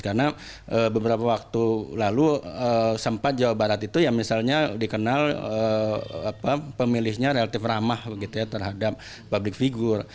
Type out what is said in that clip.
karena beberapa waktu lalu sempat jawa barat itu yang misalnya dikenal pemilihnya relatif ramah gitu ya terhadap publik figur